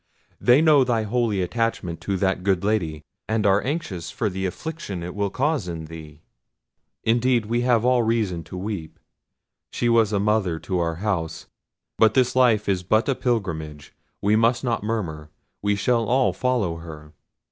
They know thy holy attachment to that good Lady, and are anxious for the affliction it will cause in thee—indeed we have all reason to weep; she was a mother to our house. But this life is but a pilgrimage; we must not murmur—we shall all follow her!